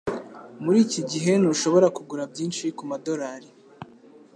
Muri iki gihe, ntushobora kugura byinshi kumadorari.